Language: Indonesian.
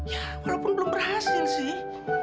ya walaupun belum berhasil sih